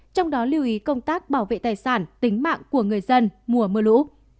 trong đó lưu ý công tác bảo vệ tài sản tính mạng của người dân mùa mưa lũ